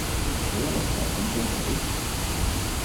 唔好一碌葛咁好唔好